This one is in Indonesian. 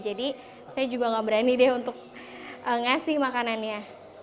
jadi saya juga gak berani deh untuk ngasih makanannya